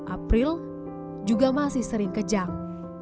april juga masih sering kejang